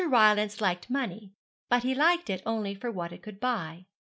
Rylance liked money; but he liked it only for what it could buy.